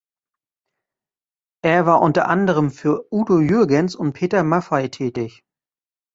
Er war unter anderem für Udo Jürgens und Peter Maffay tätig.